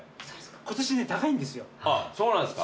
今年ね高いんですよ。